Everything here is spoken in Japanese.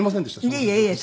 いえいえいえ！